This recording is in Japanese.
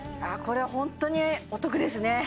あこれはホントにお得ですね